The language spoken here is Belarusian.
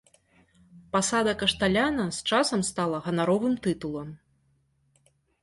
Пасада кашталяна з часам стала ганаровым тытулам.